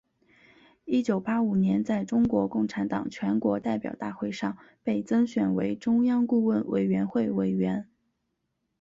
一九八五年在中国共产党全国代表大会上被增选为中央顾问委员会委员。